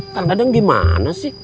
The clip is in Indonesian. kang dadang gimana sih